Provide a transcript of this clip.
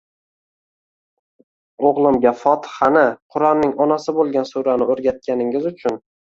O‘g‘limga Fotihani, Qur'onning onasi bo‘lgan surani o‘rgatganingiz uchun»